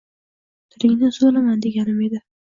Tilingni uzvolaman deganim edi